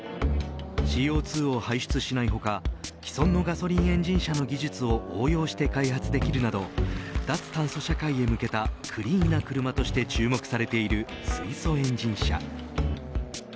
ＣＯ２を排出しない他既存のガソリンエンジン車の技術を応用して開発できるなど脱炭素社会へ向けたクリーンな車として注目されている水素エンジン車。